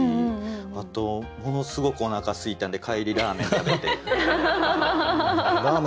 あとものすごくおなかすいたんで帰りラーメン食べて帰ります。